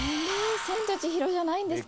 『千と千尋』じゃないんですか？